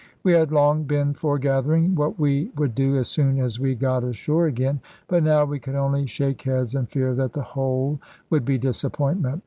We had long been foregathering what we would do as soon as we got ashore again; but now we could only shake heads and fear that the whole would be disappointment.